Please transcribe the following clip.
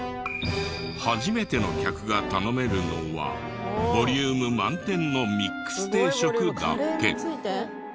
初めての客が頼めるのはボリューム満点のミックス定食だけ。